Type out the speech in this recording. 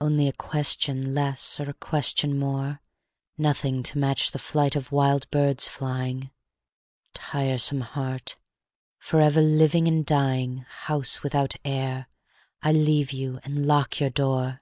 Only a question less or a question more; Nothing to match the flight of wild birds flying. Tiresome heart, forever living and dying, House without air, I leave you and lock your door.